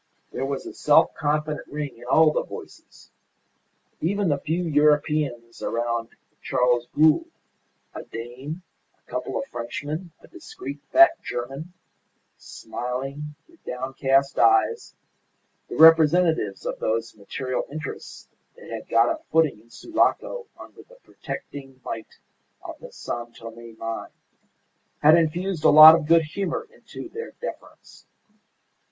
There was a self confident ring in all the voices. Even the few Europeans around Charles Gould a Dane, a couple of Frenchmen, a discreet fat German, smiling, with down cast eyes, the representatives of those material interests that had got a footing in Sulaco under the protecting might of the San Tome mine had infused a lot of good humour into their deference.